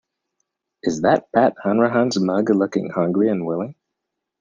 Is that Pat Hanrahan's mug looking hungry and willing.